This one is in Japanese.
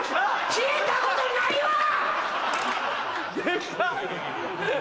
聞いたことないわ‼デカっ。